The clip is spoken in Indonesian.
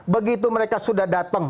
begitu mereka sudah datang